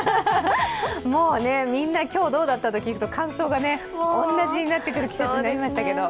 もうみんな、今日どうだったと聞くと、感想が同じになってくる季節になりましたけど。